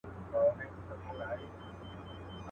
په دربار چي د سلطان سو ور دننه.